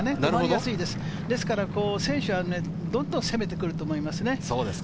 ですから選手はどんどん攻めてくると思いますね。